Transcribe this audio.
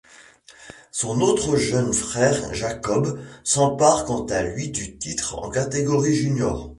Son autre jeune frère Jacob s'empare quant à lui du titre en catégorie junior.